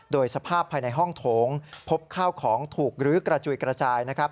โดยสภาพภายในห้องโถงพบข้าวของถูกลื้อกระจุยกระจายนะครับ